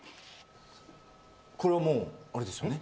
これはもうあれですよね？